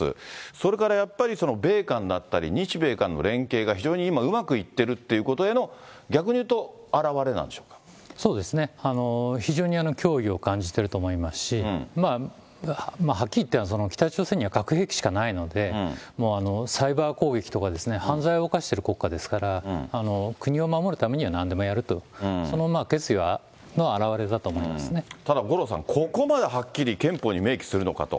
それからやっぱり、米韓だったり、日米韓の連携が非常に今うまくいってるっていうことへの、そうですね、非常に脅威を感じてると思いますし、まあ、はっきり言って、北朝鮮には核兵器しかないので、もうサイバー攻撃とか犯罪を犯している国家ですから、国を守るためにはなんでもやると、ただ、五郎さん、ここまではっきり憲法に明記するのかと。